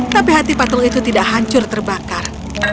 tapi hati patung itu tidak hancur terbakar